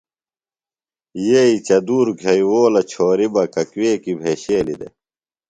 یئ چدُرور گھیوؤلہ چھوریۡ بہ ککویکیۡ بھیشیلیۡ دےۡ۔